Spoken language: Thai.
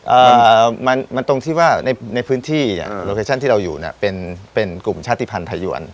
อ่ามันมันตรงที่ว่าในในพื้นที่อืมที่เราอยู่น่ะเป็นเป็นกลุ่มชาติภัณฑ์ไทยยวร